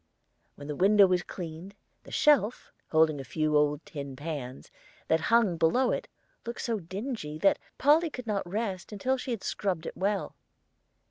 When the window was cleaned, the shelf (holding a few old tin pans) that hung below it looked so dingy that Polly could not rest until she had scrubbed it well.